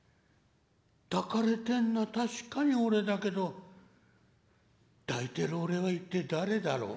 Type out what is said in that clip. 「抱かれてんのは確かに俺だけど抱いてる俺は一体誰だろう」。